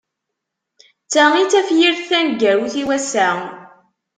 D ta i d tafyirt taneggarut i wass-a.